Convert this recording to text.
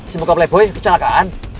si muka playboy kecelakaan